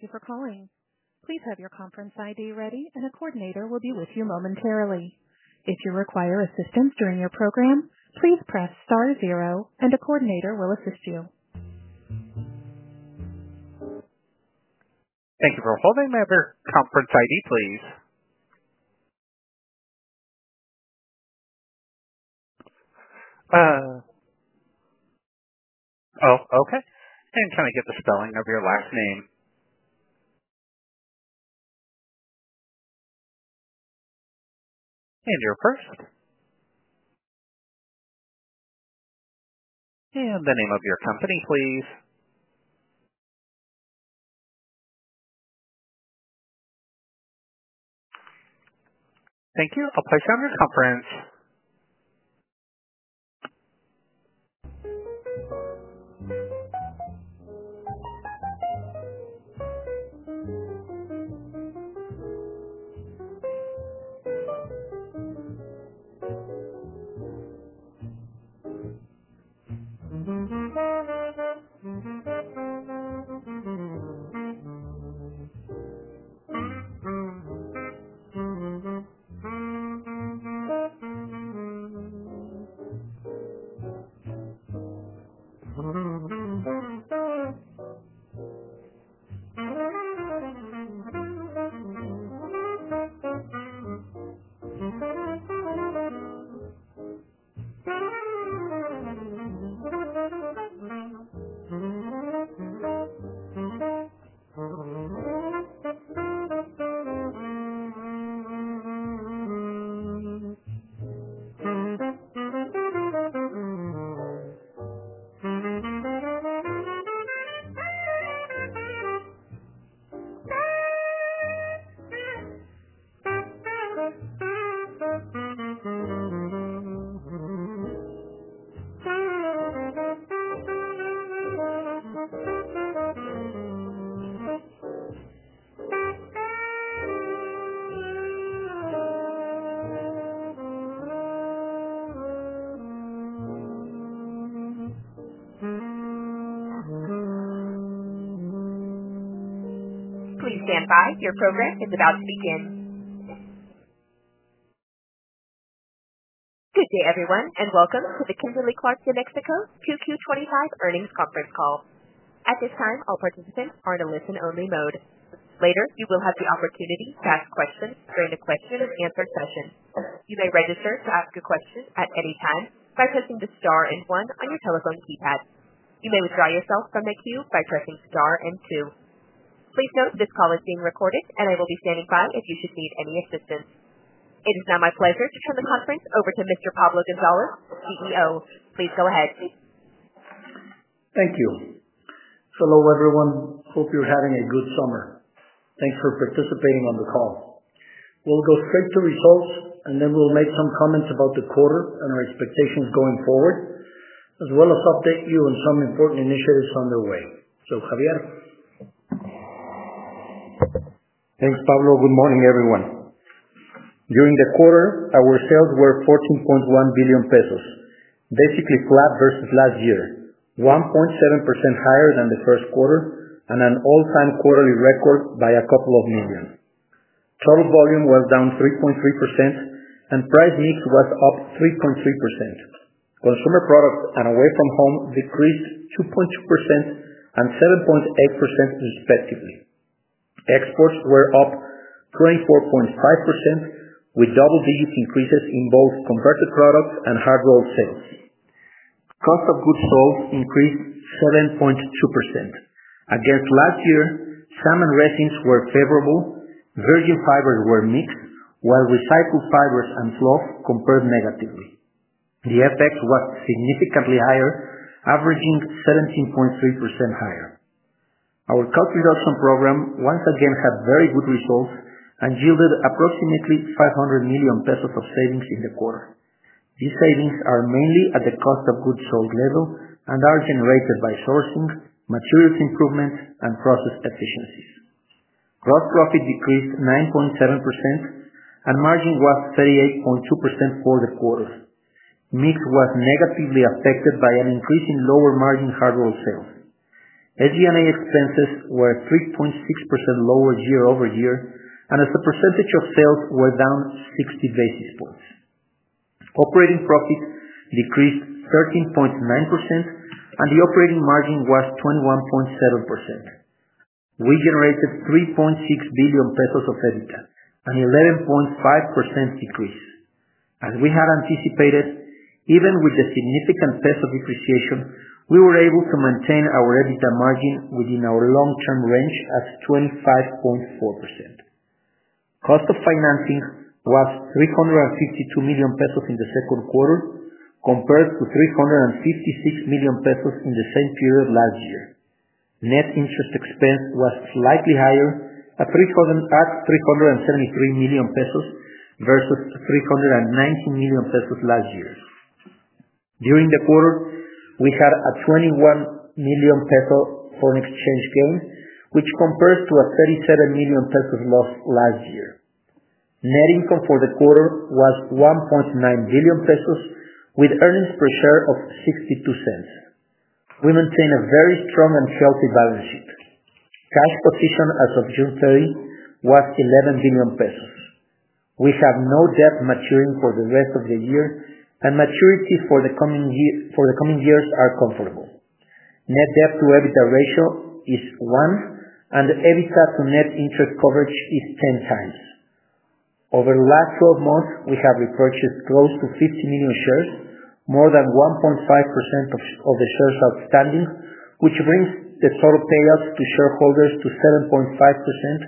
Thank you for calling. Please have your conference ID ready and a coordinator will be with you momentarily. If you require assistance during your program, please press 0 and a coordinator will assist you. Thank you for holding. May have your conference ID, please? Oh, okay. And can I get the spelling of your last name? And your first? And the name of your company, please? Thank you. I'll place you on your conference. Standby. Your program is about to begin. Good day, everyone, and welcome to the Kimberly Clark New Mexico 2Q 'twenty five Earnings Conference Call. Please note this call is being recorded, and I will be standing by if you should need any assistance. It is now my pleasure to turn the conference over to Mr. Pablo Gonzalez, CEO. Please go ahead. You. Hello, everyone. Hope you're having a good summer. Thanks for participating on the call. We'll go straight to results, and then we'll make some comments about the quarter and our expectations going forward as well as update you on some important initiatives underway. So Javier? Thanks, Pablo. Good morning, everyone. During the quarter, our sales were 14,100,000,000.0 pesos, basically flat versus last year, 1.7% higher than the first quarter and an all time quarterly record by a couple of million. Total volume was down 3.3%, and price mix was up 3.3%. Consumer products and away from home decreased two point two percent and seven point eight percent, respectively. Exports were up 24.5% with double digit increases in both converted products and hard rolled sales. Cost of goods sold increased 7.2%. Against last year, salmon resins were favorable, virgin fibers were mixed, while recycled fibers and fluff compared negatively. The FX was significantly higher, averaging 17.3% higher. Our cost reduction program once again had very good results and yielded approximately 100,000,000 pesos of savings in the quarter. These savings are mainly at the cost of goods sold level and are generated by sourcing, materials improvement, and process efficiencies. Gross profit decreased 9.7%, and margin was 38.2% for the quarter. Mix was negatively affected by an increase in lower margin hardware sales. SG and A expenses were 3.6% lower year over year, and as a percentage of sales were down 60 basis points. Operating profit decreased 13.9%, and the operating margin was 21.7%. We generated 3,600,000,000.0 pesos of EBITDA, an 11.5% decrease. As we had anticipated, even with a significant peso depreciation, we were able to maintain our EBITDA margin within our long term range at 25.4%. Cost of financing was 352,000,000 pesos in the second quarter compared to 356,000,000 pesos in the same period last year. Net interest expense was slightly higher at 300 at 373,000,000 pesos versus 319,000,000 pesos last year. During the quarter, we had a 21,000,000 peso foreign exchange gain, which compares to a 37,000,000 pesos loss last year. Net income for the quarter was 1,900,000,000.0 pesos with earnings per share of 62¢. We maintain a very strong and healthy balance sheet. Cash position as of June 30 was 11,000,000,000 pesos. We have no debt maturing for the rest of the year, and maturity for the coming year for the coming years are comfortable. Net debt to EBITDA ratio is one, and the EBITDA to net interest coverage is 10 times. Over the last twelve months, we have repurchased close to 50,000,000 shares, more than 1.5% of of the shares outstanding, which brings the total payout to shareholders to 7.5%,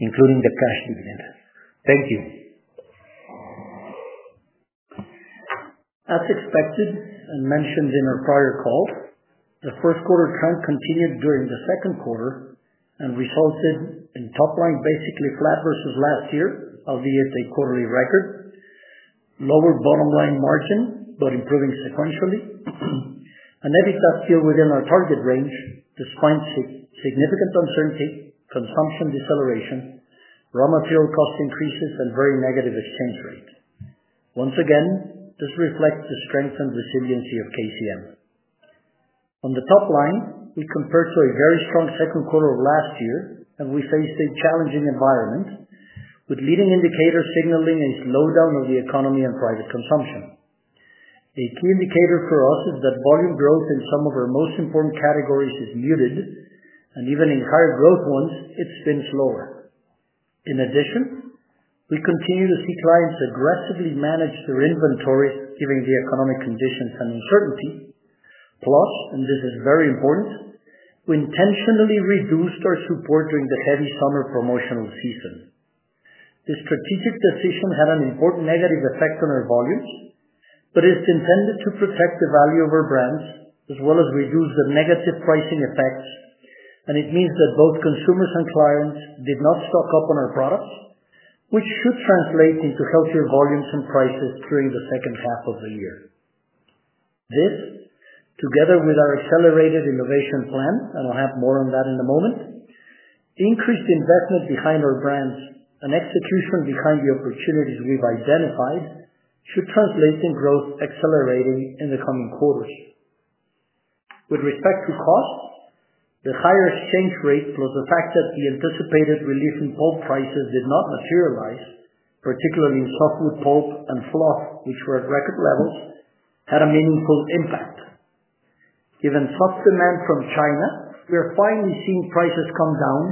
including the cash dividend. Thank you. As expected and mentioned in our prior call, the first quarter trend continued during the second quarter and resulted in top line basically flat versus last year, albeit a quarterly record, lower bottom line margin, but improving sequentially and EBITDA still within our target range despite significant uncertainty, consumption deceleration, raw material cost increases and very negative exchange rate. Once again, this reflects the strength and resiliency of KCM. On the top line, we compared to a very strong second quarter of last year, and we faced a challenging environment with leading indicators signaling a slowdown of the economy and private consumption. A key indicator for us is that volume growth in some of our most important categories is muted, and even in higher growth ones, it's been slower. In addition, we continue to see clients aggressively manage their inventories given the economic conditions and uncertainty, plus, and this is very important, we intentionally reduced our support during the heavy summer promotional season. This strategic decision had an important negative effect on our volumes, but it's intended to protect the value of our brands as well as reduce the negative pricing effects, and it means that both consumers and clients did not stock up on our products, which should translate into healthier volumes and prices during the second half of the year. This, together with our accelerated innovation plan, and I'll have more on that in a moment, increased investment behind our brands and execution behind the opportunities we've identified should translate in growth accelerating in the coming quarters. With respect to costs, the higher exchange rate plus the fact that the anticipated relief in pulp prices did not materialize, particularly in softwood pulp and fluff, which were at record levels, had a meaningful impact. Given soft demand from China, we are finally seeing prices come down,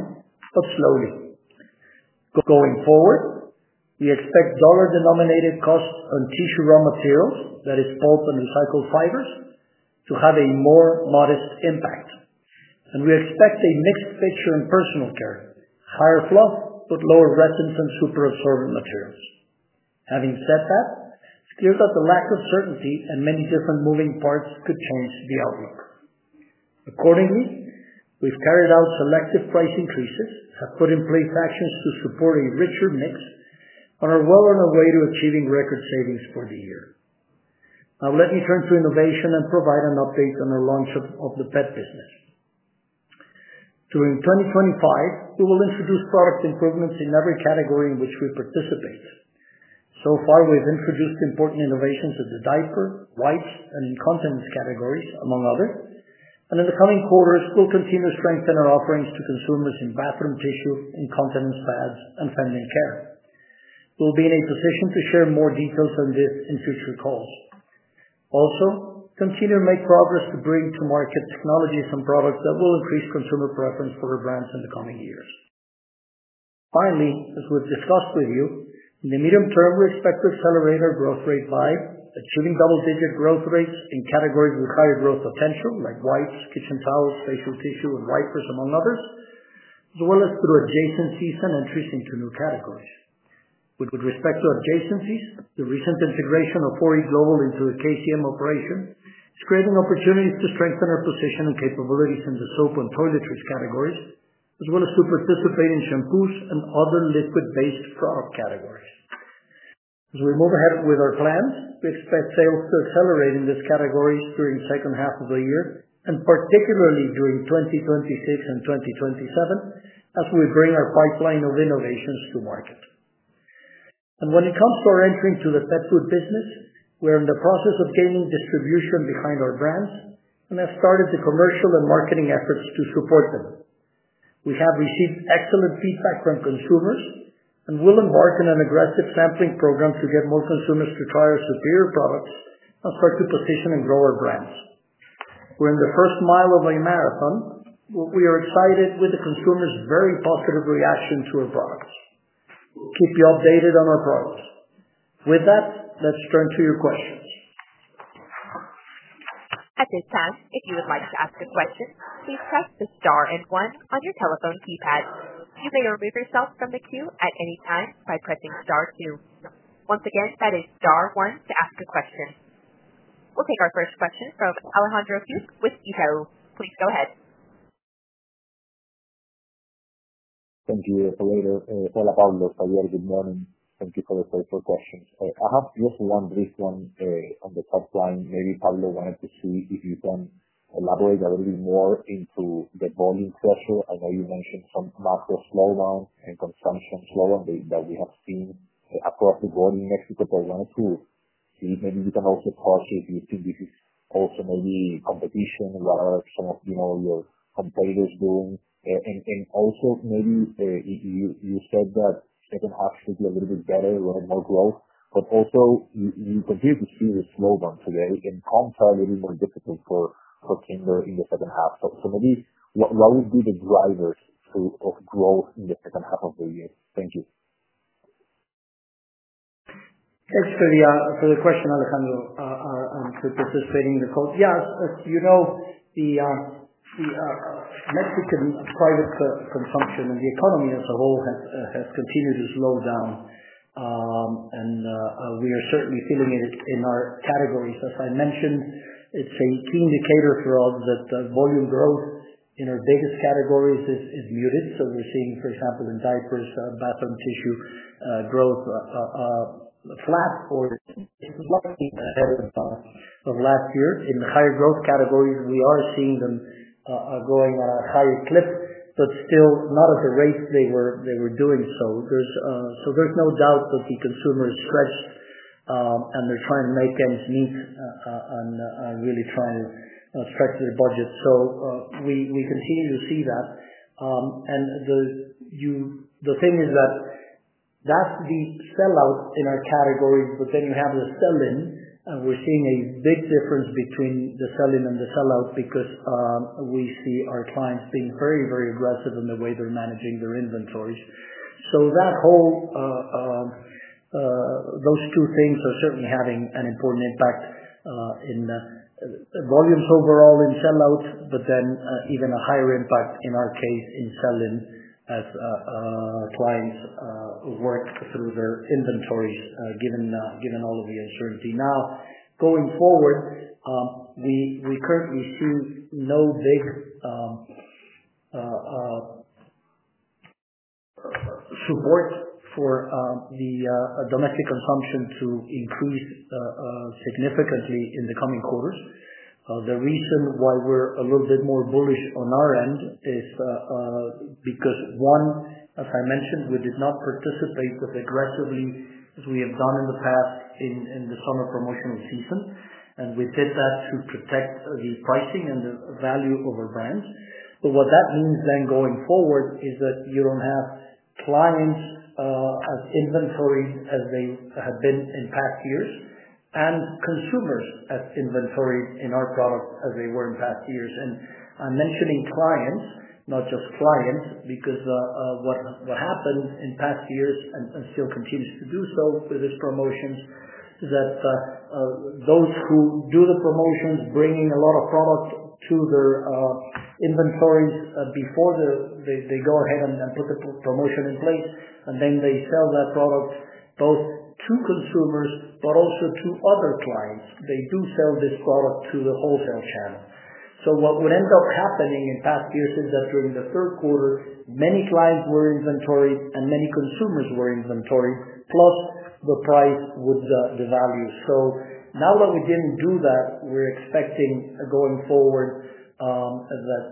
but slowly. Going forward, we expect dollar denominated costs on tissue raw materials, that is pulp and recycled fibers, to have a more modest impact. And we expect a mixed picture in personal care, higher fluff with lower resins and superabsorbent materials. Having said that, it's clear that the lack of certainty and many different moving parts could change the outlook. Accordingly, we've carried out selective price increases, have put in place actions to support a richer mix, and are well on our way to achieving record savings for the year. Now let me turn to innovation and provide an update on the launch of of the pet business. During 2025, we will introduce product improvements in every category in which we participate. So far, we've introduced important innovations in the diaper, wipes, and incontinence categories among others. And in the coming quarters, we'll continue to strengthen our offerings to consumers in bathroom tissue, incontinence pads, and feminine care. We'll be in a position to share more details on this in future calls. Also, continue to make progress to bring to market technologies and products that will increase consumer preference for our brands in the coming years. Finally, as we've discussed with you, in the medium term, we expect to accelerate our growth rate by achieving double digit growth rates in categories with higher growth potential like wipes, kitchen towels, facial tissue and wipers among others, as well as through adjacencies and entries into new categories. With respect to adjacencies, the recent integration of 4e Global into the KCM operation is creating opportunities to strengthen our position and capabilities in the soap and toiletries categories as well as to participate in shampoos and other liquid based product categories. As we move ahead with our plans, we expect sales to accelerate in these categories during second half of the year and particularly during 2026 and 2027 as we bring our pipeline of innovations to market. And when it comes to our entry into the pet food business, we're in the process of gaining distribution behind our brands and have started the commercial and marketing efforts to support them. We have received excellent feedback from consumers and will embark on an aggressive sampling program to get more consumers to try our superior products and start to position and grow our brands. We're in the first mile of a marathon. We are excited with the consumers' very positive reaction to our products. We'll keep you updated on our products. With that, let's turn to your questions. We'll take our first question from Alejandro Fuchs with Itau. Please go ahead. I have just one brief one on the top line. Maybe, Pablo, wanted to see if you can elaborate a little bit more into the volume pressure. I know you mentioned some macro slowdown and consumption slowdown that that we have seen across the board in Mexico, but I want to see if maybe we can also process if you think this is also maybe competition, a lot of some of, you know, your competitors doing. And and also maybe you you said that second half should be a little bit better, a little more growth. But also, you you continue to see the slowdown today and comps are a little more difficult for for Tinder in the second half. So so maybe what what would be the drivers to of growth in the second half of the year? Thank you. Thanks for the for the question, Alejandro, for participating in the call. Yes. As you know, the the Mexican private consumption and the economy as a whole has has continued to slow down, and we are certainly feeling it in our categories. As I mentioned, it's a key indicator for all that volume growth in our biggest categories is is muted. So we're seeing, for example, in diapers, bathroom tissue growth flat or slightly ahead of last year. In the higher growth categories, we are seeing them going at a higher clip, but still not at the rate they were doing so. So there's no doubt that the consumer is stretched and they're trying to make ends meet and and really trying to stretch their budget. So we we continue to see that. And the you the thing is that that's the sellout in our category, but then you have the sell in and we're seeing a big difference between the sell in and the sell out because we see our clients being very, very aggressive in the way they're managing their inventories. So that whole those two things are certainly having an important impact in volumes overall in sellout, but then even a higher impact in our case in sell in as clients work through their inventories given given all of the uncertainty. Now going forward, we currently see no big support for the domestic consumption to increase significantly in the coming quarters. The reason why we're a little bit more bullish on our end is because, one, as I mentioned, we did not participate as aggressively as we have done in the past in in the summer promotional season, and we did that to protect the pricing and the value of our brands. But what that means then going forward is that you don't have clients as inventory as they have been in past years and consumers as inventory in our product as they were in past years. And I'm mentioning clients, not just clients, because what happened in past years and still continues to do so with these promotions is that those who do the promotions, bringing a lot of product to their inventories before the they they go ahead and then put the promotion in place, and then they sell that product both to consumers but also to other clients. They do sell this product to the wholesale channel. So what would end up happening in past years is that during the third quarter, many clients were inventory and many consumers were inventory plus the price with value. So now that we didn't do that, we're expecting going forward that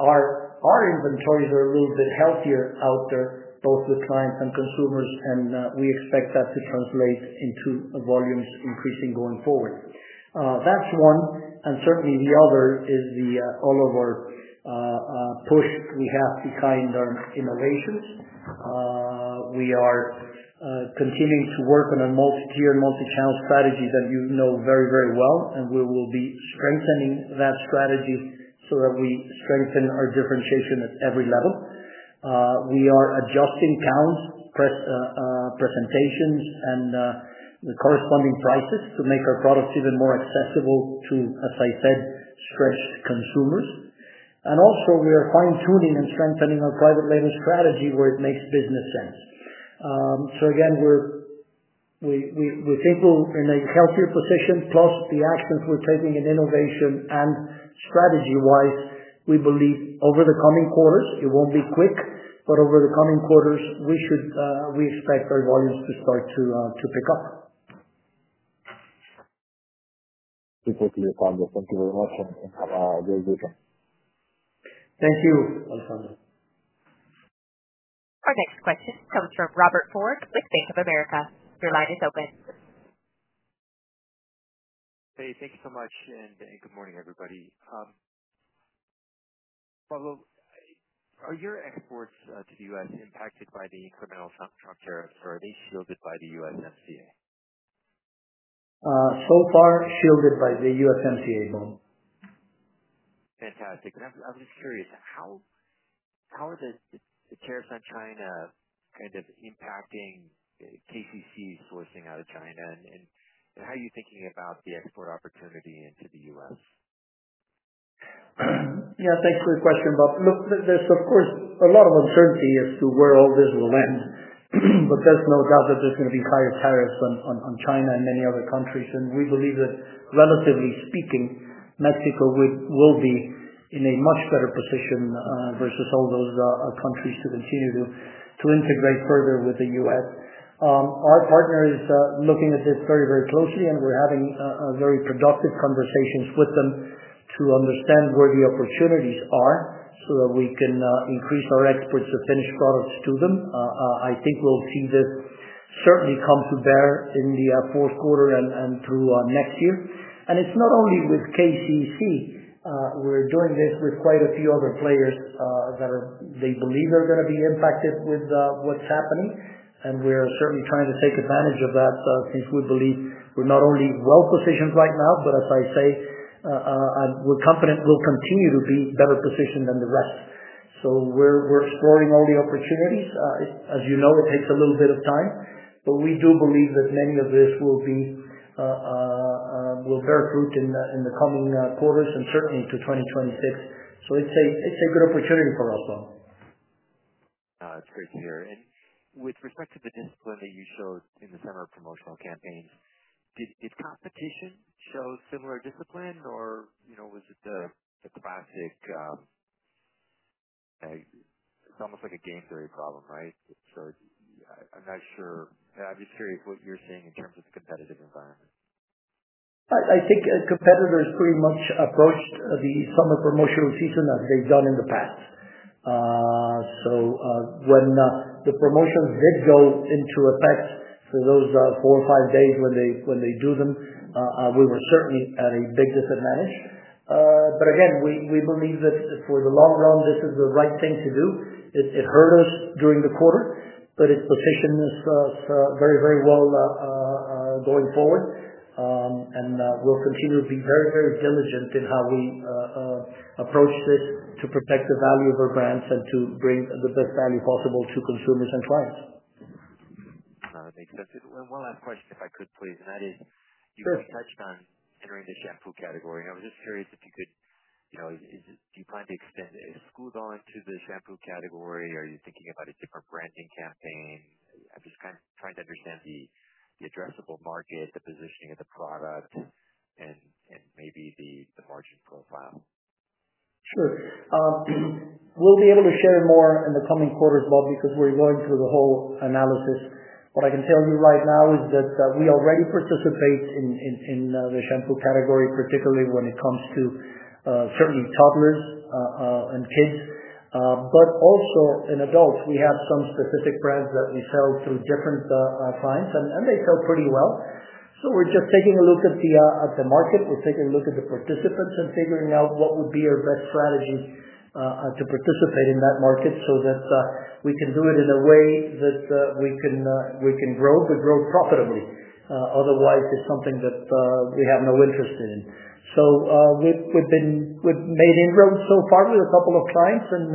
our inventories are a little bit healthier out there, both with clients and consumers, and we expect that to translate into volumes increasing going forward. That's one. And certainly, the other is the all of our push we have behind our innovations. We are continuing to work on a multi tier, multi channel strategy that you know very, very well, and we will be strengthening that strategy so that we strengthen our differentiation at every level. We are adjusting counts, press presentations, and the corresponding prices to make our products even more accessible to, as I said, stretched consumers. And also, we are fine tuning and strengthening our private label strategy where it makes business sense. So, again, we're we we we think we're in a healthier position plus the actions we're taking in innovation and strategy wise, we believe over the coming quarters, it won't be quick, but over the coming quarters, we should we expect our volumes to start to to pick up. Thank you, Alfonso. Thank you very much, and and have a great weekend. Thank you, Alfonso. Our next question comes from Robert Ford with Bank of America. Your line is open. Hey. Thank you so much, and and good morning, everybody. Pablo, are your exports to The US impacted by the incremental Trump Trump tariffs? Or are they shielded by the USMCA? So far, shielded by the USMCA, Moe. Fantastic. And I'm I'm just curious. How how are the the tariffs on China kind of impacting KCC sourcing out of China? And and and how are you thinking about the export opportunity into The US? Yeah. Thanks for the question, Bob. Look, there's, of course, a lot of uncertainty as to where all this will end, but there's no doubt that there's gonna be higher tariffs on on on China and many other countries. And we believe that, relatively speaking, Mexico would will be in a much better position versus all those countries to continue to to integrate further with The US. Our partner is looking at this very, very closely, and we're having a very productive conversations with them to understand where the opportunities are so that we can increase our exports of finished products to them. I think we'll see this certainly come to bear in the fourth quarter and and through next year. And it's not only with KCC, we're doing this with quite a few other players that are they believe they're going to be impacted with what's happening. And we're certainly trying to take advantage of that since we believe we're not only well positioned right now, but as I say, we're confident we'll continue to be better positioned than the rest. So we're exploring all the opportunities. As you know, it takes a little bit of time, but we do believe that many of this will bear fruit in the coming quarters and certainly into 2026. So it's a good opportunity for us, Bob. It's great to hear. And with respect to the discipline that you showed in the summer promotional campaigns, did did competition show similar discipline or, you know, was it the the classic it's almost like a game theory problem. Right? So I'm not sure. I'm just curious what you're seeing in terms of the competitive environment. I think competitors pretty much approached the summer promotional season as they've done in the past. So when the promotions did go into effect for those four or five days when they do them, we were certainly at a big disadvantage. But again, we believe that for the long run, this is the right thing to do. It hurt us during the quarter, but it positions us very, very well going forward. And we'll continue to be very, very diligent in how we approach this to protect the value of our brands and to bring the best value possible to consumers and clients. Makes sense. And one last question if I could please. And that is you touched on entering the shampoo category. I was just curious if you could do you plan to extend exclude on to the shampoo category? Are you thinking about a different branding campaign? I'm just trying to understand the addressable market, the positioning of the product and maybe the margin profile. Sure. We'll be able to share more in the coming quarters, Bob, because we're going through the whole analysis. What I can tell you right now is that we already participate in in in the shampoo category, particularly when it comes to certainly toddlers and kids. But also in adults, we have some specific brands that we sell through different clients, and and they sell pretty well. So we're just taking a look at the at the market. We're taking a look at the participants and figuring out what would be our best strategy to participate in that market so that we can do it in a way that we can grow to grow profitably. Otherwise, it's something that we have no interest in. So we've been we've made inroads so far with a couple of clients, and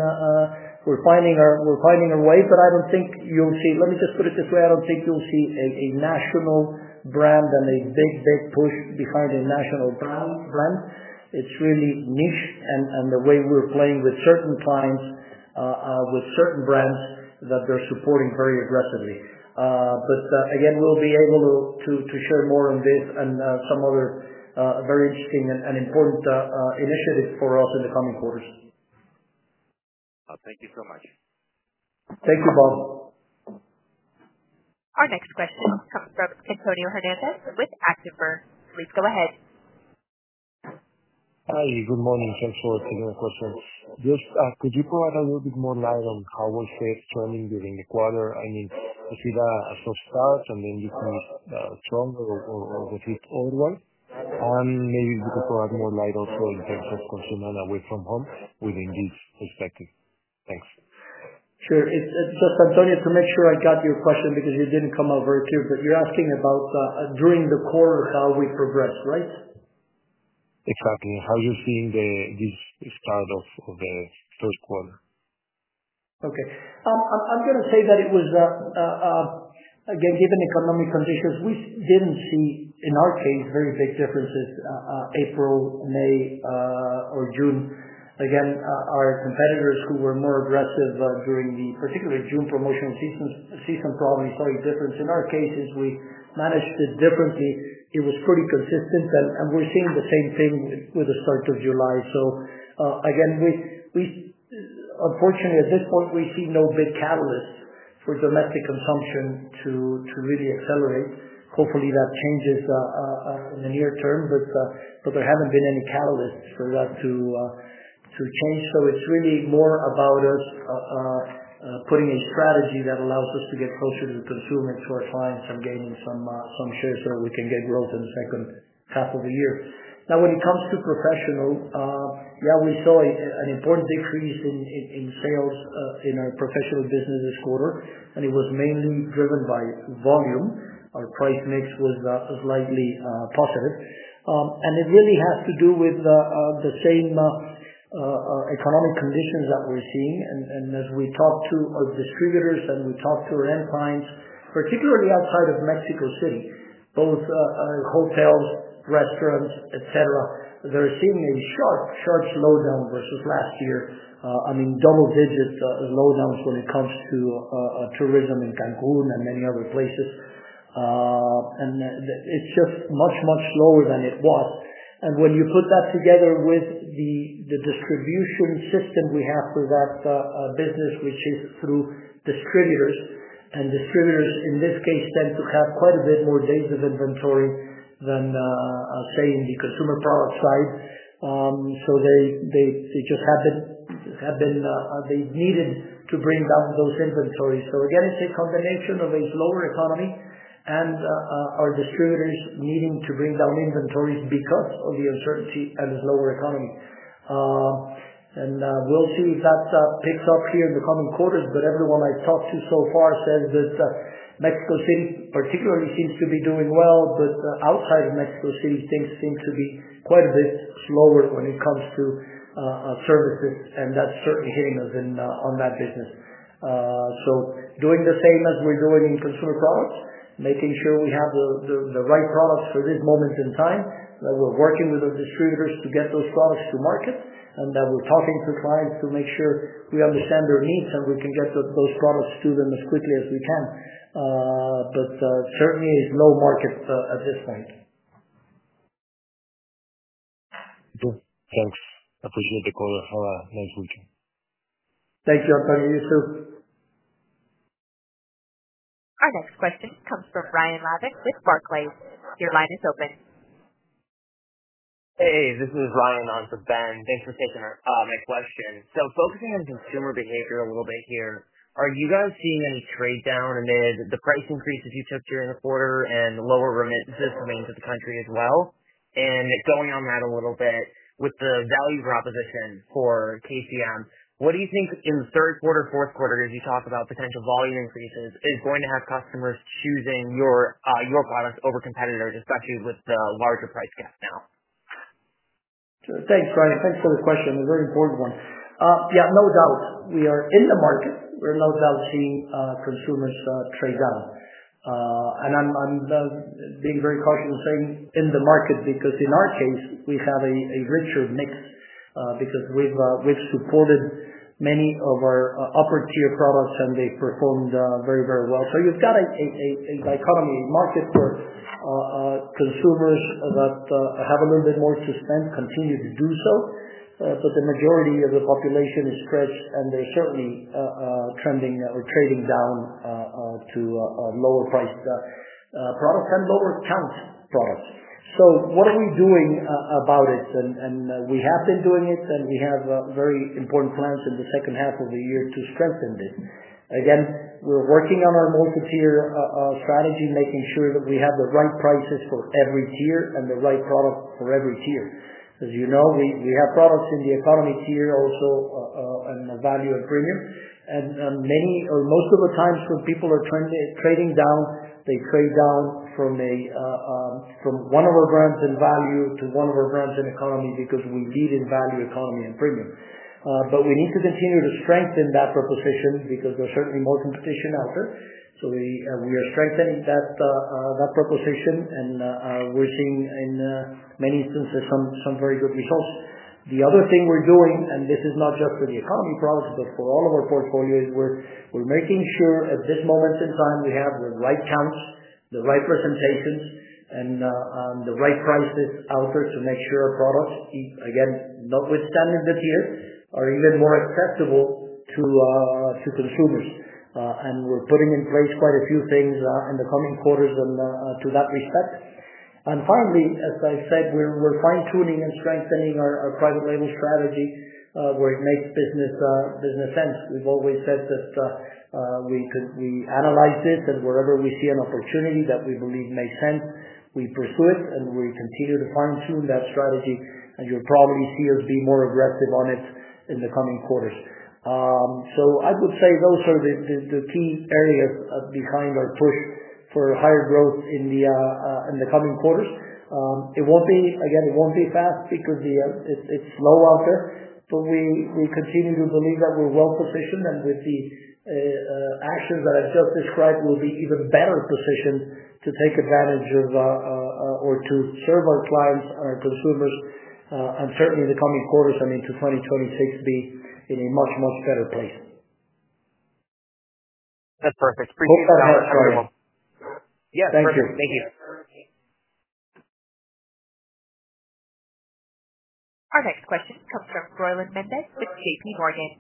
we're finding our way. But I don't think you'll see let me just put it this way, I don't think you'll see a a national brand and a big, big push behind a national brand brand. It's really niche and and the way we're playing with certain clients with certain brands that they're supporting very aggressively. But again, we'll be able to share more on this and some other very interesting and important initiatives for us in the coming quarters. Our next question comes from Antonio Hernandez with Activer. Just could you provide a little bit more light on how was it turning during the quarter? I mean, is it a soft start and then you can use the trunk or or or the fifth old one? And maybe you could provide more light also in terms of consumer and away from home within this perspective. Thanks. Sure. It's it's just Antonio, to make sure I got your question because you didn't come out very clear, but you're asking about during the quarter how we progressed. Right? Exactly. How you're seeing the this start of of the first quarter? Okay. I'm gonna say that it was again, given economic conditions, we didn't see, in our case, very big differences April, May, or June. Again, our competitors who were more aggressive during the particularly June promotional seasons season probably saw a difference. In our cases, we managed it differently. It was pretty consistent, and and we're seeing the same thing with with the July. So, again, we we unfortunately, at this point, we see no big catalyst for domestic consumption to to really accelerate. Hopefully, that changes in the near term, but but there haven't been any catalyst for that to to change. So it's really more about us putting a strategy that allows us to get closer to the consumer to our clients and gaining some some shares so that we can get growth in the second half of the year. Now when it comes to professional, yes, we saw an important decrease in sales in our professional business this quarter, and it was mainly driven by volume. Our price mix was slightly positive. And it really has to do with the same economic conditions that we're seeing. And and as we talk to our distributors and we talk to our end clients, particularly outside of Mexico City, both hotels, restaurants, etcetera, they're seeing a sharp, sharp slowdown versus last year. I mean, double digit slowdowns when it comes to tourism in Cancun and many other places. And it's just much, much lower than it was. And when you put that together with the distribution system we have for that business, which is through distributors And distributors, in this case, tend to have quite a bit more days of inventory than, say, in the consumer product side. So they they they just haven't have been they needed to bring down those inventories. So again, it's a combination of a slower economy and our distributors needing to bring down inventories because of the uncertainty and slower economy. And we'll see if that picks up here in the coming quarters, but everyone I talked to so far says that Mexico City particularly seems to be doing well, but outside of Mexico City, things seem to be quite a bit slower when it comes to services, and that's certainly hitting us on that business. So doing the same as we're doing in consumer products, making sure we have the right products for this moment in time, that we're working with our distributors to get those products to market and that we're talking to clients to make sure we understand their needs and we can get those products to them as quickly as we can. But certainly, it's no market at this point. Thanks. Appreciate the color. Have a nice weekend. Thank you, Antonio. You too. Our next question comes from Brian Labick with Barclays. Your line is open. Hey, this is Ryan on for Ben. Thanks for taking my question. So focusing on consumer behavior a little bit here, are you guys seeing any trade down amid the price increases you took during the quarter and lower remittances remains of the country as well? And going on that a little bit, with the value proposition for KCM, what do you think in the third quarter, fourth quarter, as you talk about potential volume increases, is going to have customers choosing your products over competitors, especially with the larger price gap now? Thanks, Brian. Thanks for the question. A very important one. Yeah. No doubt. We are in the market. We're no doubt seeing consumers trade down. And I'm I'm being very cautious in saying in the market because in our case, we have a a richer mix because we've we've supported many of our upper tier products, and they performed very, very well. So you've got a a a dichotomy market for consumers that have a little bit more to spend continue to do so. So the majority of the population is stretched, and they're certainly trending or trading down to lower priced products and lower count products. So what are we doing about it? And and we have been doing it, and we have very important plans in the second half of the year to strengthen this. Again, we're working on our multi tier strategy, making sure that we have the right prices for every tier and the right product for every tier. As you know, we we have products in the economy tier also and value and premium. And many or most of the times when people are trending trading down, they trade down from a from one of our brands in value to one of our brands in economy because we lead in value economy and premium. But we need to continue to strengthen that proposition because there's certainly more competition out there. So we we are strengthening that that proposition, and we're seeing in many instances some some very good results. The other thing we're doing, and this is not just for the economy products, but for all of our portfolios, we're we're making sure at this moment in time, we have the right counts, the right presentations, and the right prices out there to make sure our products, again, notwithstanding this year, are even more acceptable to to consumers. And we're putting in place quite a few things in the coming quarters to that respect. And finally, as I said, we're fine tuning and strengthening our private label strategy where it makes business sense. We've always said that we could we analyze this and wherever we see an opportunity that we believe makes sense, we pursue it and we continue to fine tune that strategy. And you'll probably see us be more aggressive on it in the coming quarters. So I would say those are the the the key areas behind our push for higher growth in the in the coming quarters. It won't be again, it won't be fast because the it's it's slow out there, but we we continue to believe that we're well positioned. And with the actions that I've just described, we'll be even better positioned to take advantage of or to serve our clients, our consumers, and certainly in the coming quarters and into 2026 be in a much, much better place. That's perfect. Appreciate the color. Have good one. Yeah. Thank you. Thank you. Our next question comes from Roeland Mendez with JPMorgan.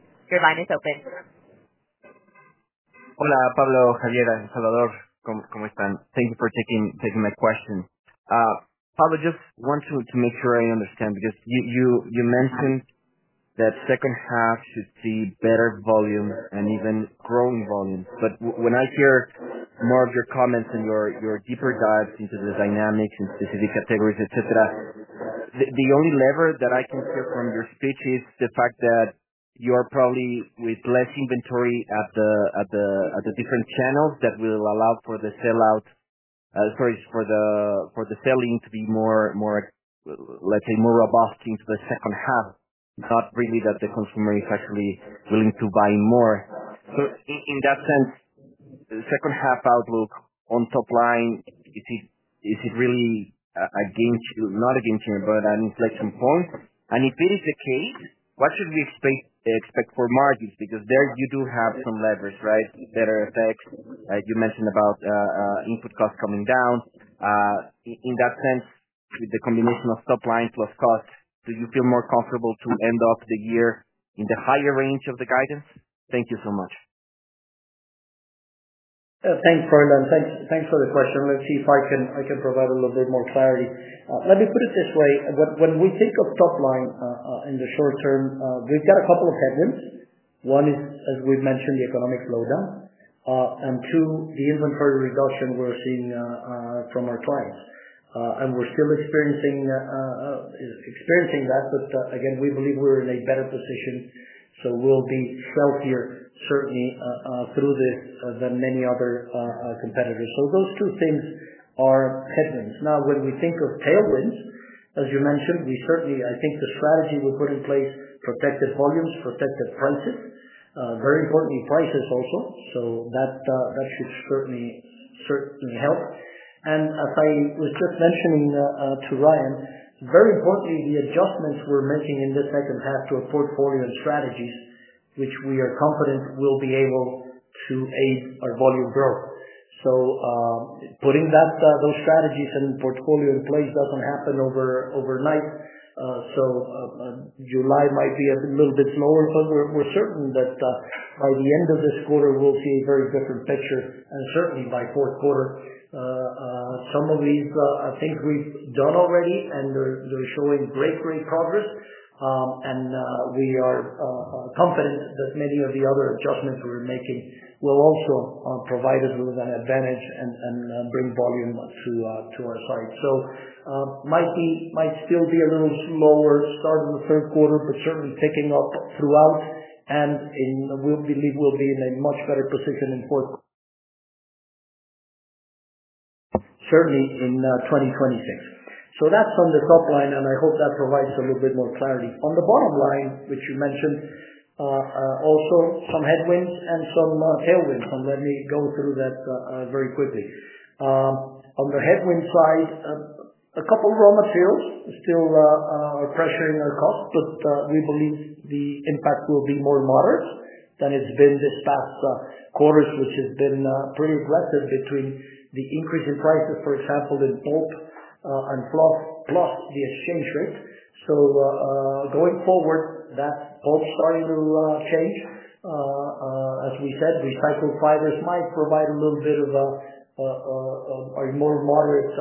Pablo, just want to to make sure I understand because you you you mentioned that second half should see better volume and even growing volume. But when I hear more of your comments and your your deeper dive into the dynamics and specific categories, etcetera, The the only lever that I can hear from your speech is the fact that you are probably with less inventory at the at the at the different channels that will allow for the sellout sorry, for the for the selling to be more more, let's say, more robust into the second half, not really that the consumer is actually willing to buy more. So in in that sense, the second half outlook on top line, is it is it really a gain not a gain share, but an inflection point? And if it is the case, what should we expect for margins? Because there, you do have some leverage, right, better effects, like you mentioned about input cost coming down. In that sense, with the combination of top line plus cost, do you feel more comfortable to end up the year in the higher range of the guidance? Thank you so much. Thanks, Bruno, and thanks thanks for the question. Let's see if I can I can provide a little bit more clarity? Let me put it this way. When when we think of top line in the short term, we've got a couple of headwinds. One is, as we've mentioned, the economic slowdown, and two, the inventory reduction we're seeing from our clients. And we're still experiencing experiencing that, but, again, we believe we're in a better position. So we'll be healthier certainly through this than many other competitors. So those two things are headwinds. Now when we think of tailwinds, as you mentioned, we certainly I think the strategy we put in place protected volumes, protected prices, very importantly, prices also. So that that should certainly certainly help. And as I was just mentioning to Ryan, very importantly, the adjustments we're making in the second half to our portfolio and strategies, which we are confident will be able to aid our volume growth. So putting that those strategies and portfolio in place doesn't happen over overnight. So July might be a little bit slower, but we're we're certain that by the end of this quarter, we'll see a very different picture. And certainly by fourth quarter. Some of these, I think, we've done already, and they're they're showing great, great progress. And we are confident that many of the other adjustments we're making will also provide us with an advantage and bring volume to our site. So might be might still be a little slower start in the third quarter, but certainly picking up throughout. And in we believe we'll be in a much better position in fourth certainly in 2026. So that's on the top line, and I hope that provides a little bit more clarity. On the bottom line, which you mentioned, also some headwinds and some tailwinds, and let me go through that very quickly. On the headwind side, a couple of raw materials still pressuring our cost, but we believe the impact will be more moderate than it's been this past quarters, which has been pretty aggressive between the increase in prices, for example, in pulp and fluff plus the exchange rate. So going forward, that pulp starting to change. As we said, recycled fibers might provide a little bit of a more moderate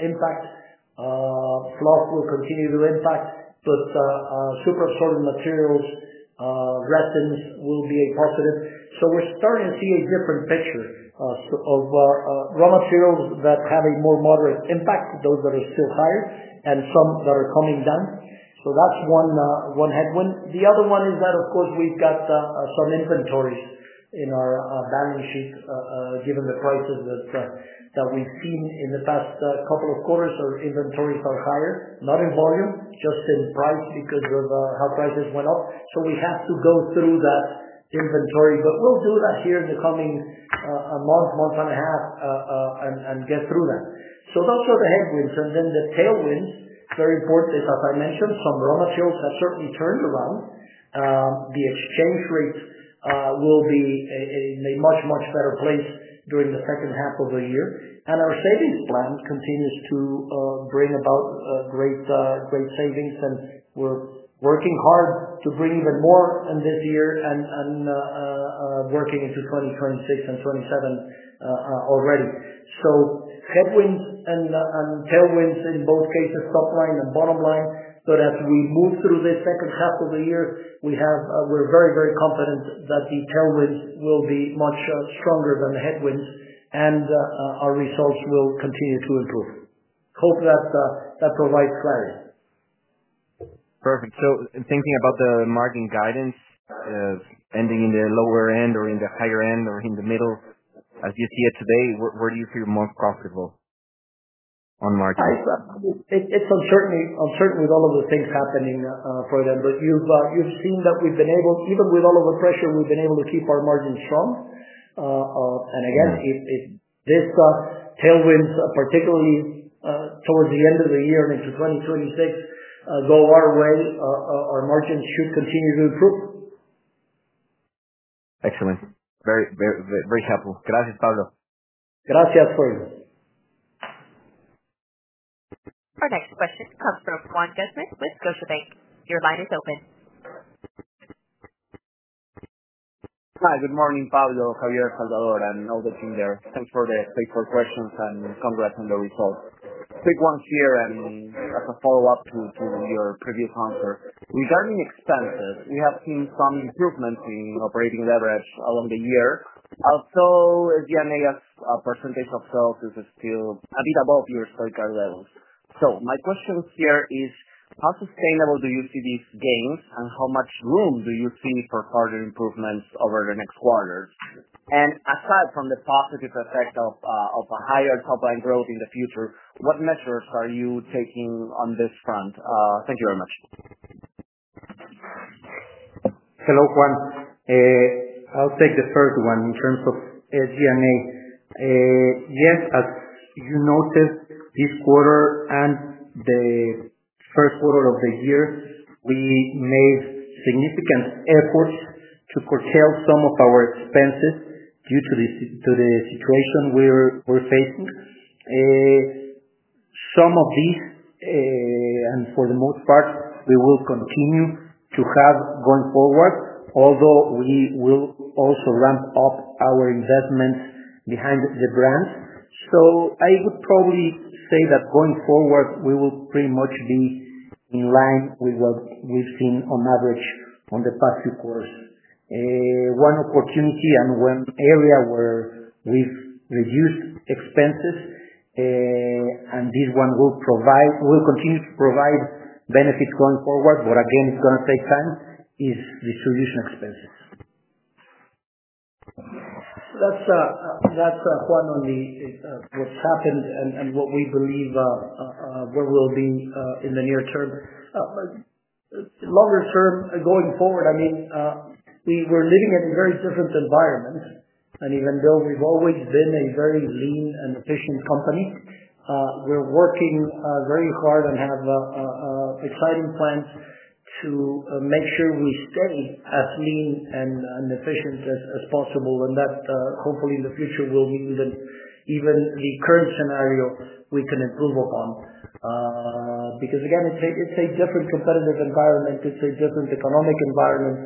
impact. Fluff will continue to impact, but superabsorbed materials, resins will be a positive. So we're starting to see a different picture of raw materials that have a more moderate impact, those that are still higher and some that are coming down. So that's one one headwind. The other one is that, of course, we've got some inventories in our balance sheet given the prices that that we've seen in the past couple of quarters. Our inventories are higher, not in volume, just in price because of how prices went up. So we have to go through that inventory, but we'll do that here in the coming month, month and a half and and get through that. So those are the headwinds. And then the tailwinds, very important is, as I mentioned, some raw materials have certainly turned around. The exchange rate will be in a much, much better place during the second half of the year. And our savings plan continues to bring about great savings, and we're working hard to bring even more in this year and working into 2026 and '27 already. So headwinds and tailwinds in both cases, top line and bottom line. But as we move through the second half of the year, we have we're very, very confident that the tailwinds will be much stronger than the headwinds, and our results will continue to improve. Hope that provides clarity. Perfect. So thinking about the margin guidance ending in the lower end or in the higher end or in the middle as you see it today? Where where do you feel more profitable on margin? It's it's uncertain uncertain with all of the things happening for them, but you've you've seen that we've been able even with all of the pressure, we've been able to keep our margins strong. And again, if if this tailwinds, particularly towards the end of the year and into 2026, go our way, our margins should continue to improve. Excellent. Very, very, very helpful. Gracias, Pablo. Gracias, Pablo. Next question comes from Juan Guzman with Scotiabank. Your line is open. Hi. Good morning, Pablo, Javier, Salvador and all the team there. Thanks for the questions and congrats on the results. Quick one here and as a follow-up to your previous answer. Regarding expenses, we have seen some improvements in operating leverage along the year. Also, G and A as a percentage of sales is still a bit above your scorecard levels. So my question here is how sustainable do you see these gains? And how much room do you see for further improvements over the next quarter? And aside from the positive effect of a higher top line growth in the future, what measures are you taking on this front? Thank you very much. Hello, Juan. I'll take the first one in terms of SG and A. Yes. As you noticed, this quarter and the first quarter of the year, we made significant efforts to curtail some of our expenses due to the to the situation we're we're facing. Some of these, and for the most part, we will continue to have going forward, although we will also ramp up our investments behind the brand. So I would probably say that going forward, we will pretty much be in line with what we've seen on average on the past few quarters. One opportunity and one area where we've reduced expenses, and this one will provide will continue to provide benefits going forward. But, again, it's gonna take time is distribution expenses. That's that's one on the what's happened and what we believe what will be in the near term. Longer term, going forward, I mean, we were living in a very different environment. And even though we've always been a very lean and efficient company, we're working very hard and have exciting plans to make sure we stay as lean and and efficient as as possible, and that, hopefully, in the future will be even even the current scenario we can improve upon. Because, again, it's a it's a different competitive environment. It's a different economic environment.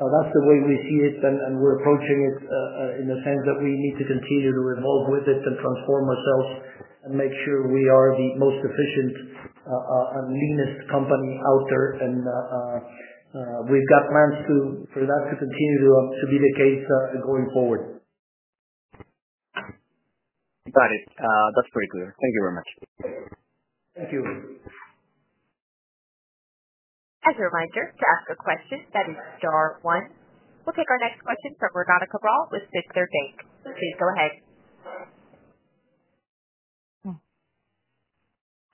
That's the way we see it, and and we're approaching it in the sense that we need to continue to evolve with it and transform ourselves and make sure we are the most efficient and leanest company out there. And we've got plans to for that to continue to to be the case going forward. Got it. That's pretty clear. Thank you very much. Thank you. We'll take our next question from Rodotka Brall with Sixth or Bank. Please go ahead.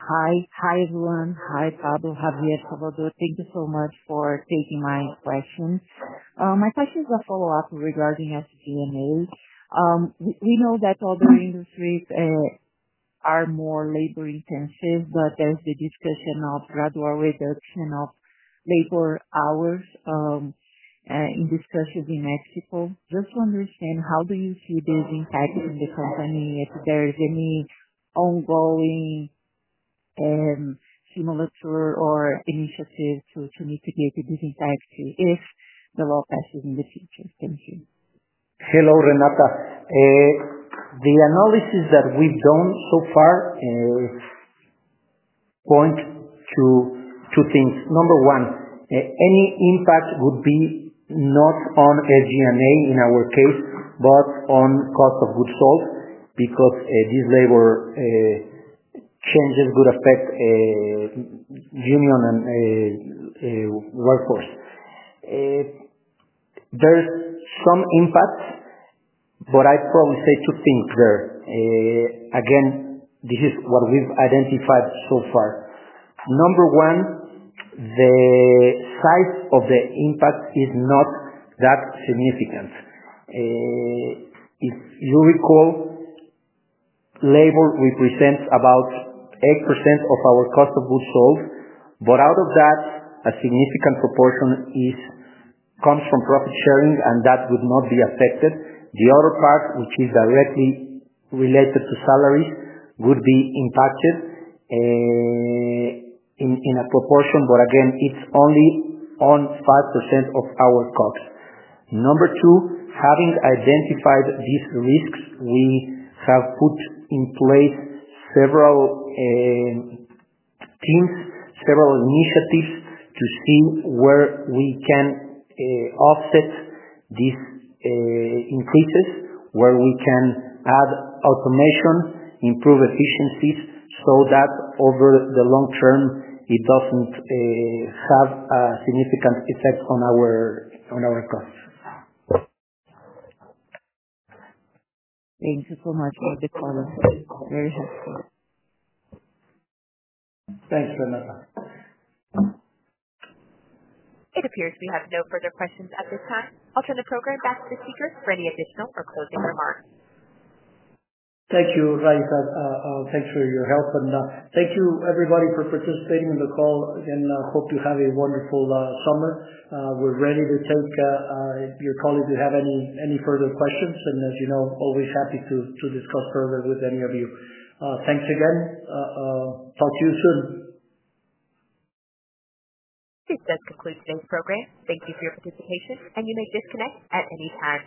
Hi. Hi, everyone. Hi, Pablo. Javier Salvador. Thank you so much for taking my questions. My question is a follow-up regarding SG and A. We we know that all the industries are more labor intensive, but there's the discussion of gradual reduction of labor hours in discussions in Mexico. Just to understand, how do you see this impacting the company, if there is any ongoing similar to or initiative to to mitigate the disintermediacy if the law passes in the future? Thank you. Hello, Renata. The analysis that we've done so far point to two things. Number one, any impact would be not on SG and A in our case, but on cost of goods sold because this labor changes would affect union and workforce. There's some impact, but I probably say to think there. Again, this is what we've identified so far. Number one, the size of the impact is not that significant. If you recall, labor represents about 8% of our cost of goods sold. But out of that, a significant proportion is comes from profit sharing, and that would not be affected. The other part, which is directly related to salaries, would be impacted in in a proportion. But, again, it's only on 5% of our COGS. Number two, having identified these risks, we have put in place several teams, several initiatives to see where we can offset these increases, where we can add automation, improve efficiencies so that over the long term, it doesn't have a significant effect on our on our cost. Thank you so much for the call. Very helpful. Thanks, Renata. It appears we have no further questions I'll turn the program back to the speakers for any additional or closing remarks. Thank you, Raisa. Thanks for your help, and thank you, everybody, for participating in the call. Again, I hope you have a wonderful summer. We're ready to take your call if you have any any further questions. And as you know, always happy to to discuss further with any of you. Thanks again. Talk to you soon. This does conclude today's program. Thank you for your participation, and you may disconnect at any time.